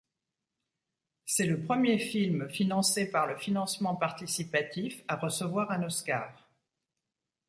C'est le premier film financé par le financement participatif à recevoir un Oscar.